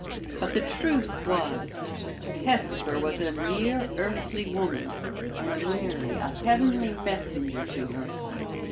But the truth was, that Hesper was a mere earthly woman, and Mary a heavenly messenger to her.